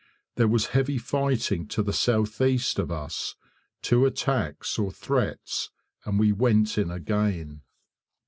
There was heavy fighting to the south east of us. Two attacks or threats, and we went in again.